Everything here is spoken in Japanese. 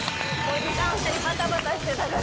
おじさん２人バタバタしてたから。